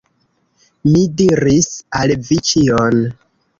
Mi diris al vi ĉion.